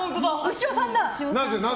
牛尾さんだ！